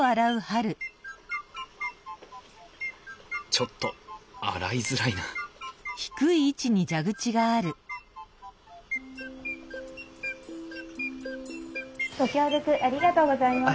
ちょっと洗いづらいなご協力ありがとうございます。